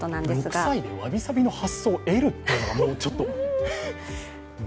６歳でわびさびの発想を得るというのがちょっと。